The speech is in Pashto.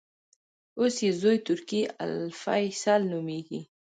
اوس یې زوې ترکي الفیصل نومېږي.